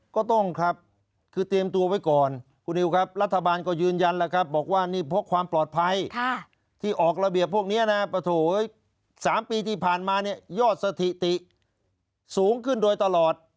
ก็ต้องครับคือเตรียมตัวไว้ก่อนคุณนิวครับรัฐบาลก็ยืนยันแล้วครับบอกว่านี่เพราะความปลอดภัยที่ออกระเบียบพวกนี้นะ๓ปีที่ผ่านมาเนี่ยยอดสถิติสูงขึ้นโดยตลอด